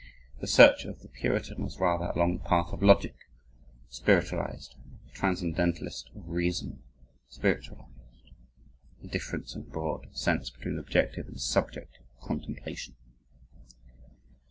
The search of the Puritan was rather along the path of logic, spiritualized, and the transcendentalist of reason, spiritualized a difference in a broad sense between objective and subjective contemplation.